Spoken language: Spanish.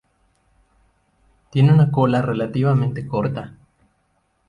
Tiene una cola relativamente corta.